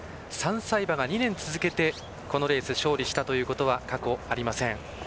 ３歳馬が２年続けてこのレース勝利したことは過去ありません。